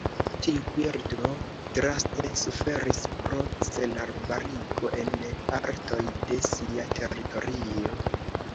Tiu birdo draste suferis pro senarbarigo en partoj de sia teritorio.